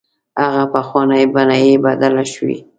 هغه پخوانۍ بڼه یې بدله شوې.